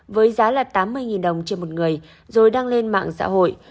với giá là tám mươi đồng trên một người rồi đăng lên mạng xã hội